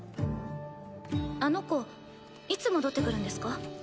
あの子いつ戻ってくるんですか？